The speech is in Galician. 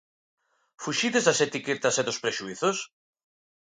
Fuxides das etiquetas e dos prexuízos?